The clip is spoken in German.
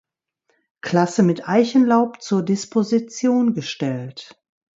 Klasse mit Eichenlaub zur Disposition gestellt.